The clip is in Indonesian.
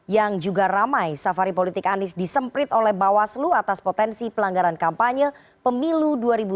yang juga ramai safari politik anies disemprit oleh bawaslu atas potensi pelanggaran kampanye pemilu dua ribu dua puluh